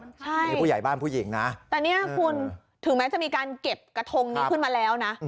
อันนี้ผู้ใหญ่บ้านผู้หญิงนะแต่เนี่ยคุณถึงแม้จะมีการเก็บกระทงนี้ขึ้นมาแล้วนะ